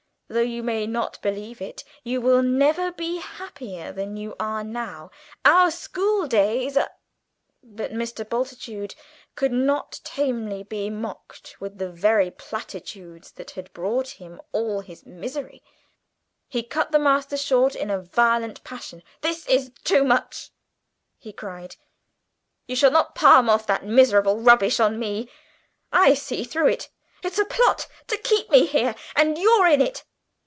Though you may not believe it, you will never be happier than you are now. Our schooldays are " But Mr. Bultitude could not tamely be mocked with the very platitudes that had brought him all his misery he cut the master short in a violent passion. "This is too much!" he cried "you shall not palm off that miserable rubbish on me. I see through it. It's a plot to keep me here, and you're in it.